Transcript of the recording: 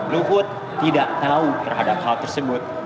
luhut tidak tahu terhadap hal tersebut